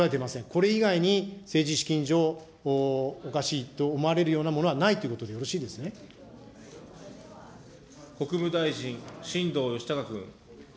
これ以外に政治資金上、おかしいと思われるようなものはないとい国務大臣、新藤義孝君。